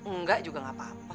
enggak juga gak apa apa